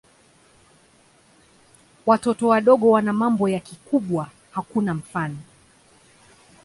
Watoto wadogo wana mambo ya kikubwa hakuna mfano.